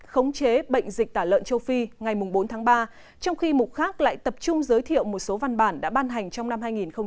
khống chế bệnh dịch tả lợn châu phi ngày bốn tháng ba trong khi mục khác lại tập trung giới thiệu một số văn bản đã ban hành trong năm hai nghìn hai mươi